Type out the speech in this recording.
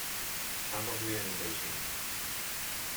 Ambos viven en Beijing.